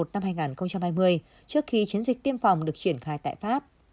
trước khi chiến dịch tiêm phòng được triển khai tại pháp